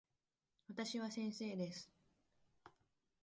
私は先生です。